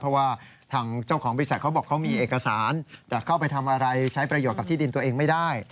เพราะว่าทางเจ้าของบริษัทเขาบอกเขามีเอกสารแต่เข้าไปทำอะไรใช้ประโยชน์กับที่ดินตัวเองไม่ได้